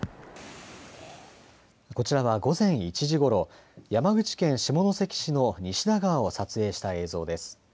こちらは午前１時ごろ山口県下関市の西田川を撮影した映像です。